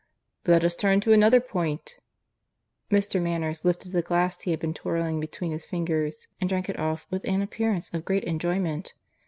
"Let us turn to another point " (Mr. Manners lifted the glass he had been twirling between his fingers, and drank it off with an appearance of great enjoyment.